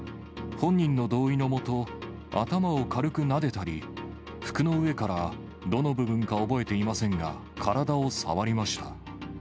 本人の同意のもと、頭を軽くなでたり、服の上からどの部分か覚えていませんが、体を触りました。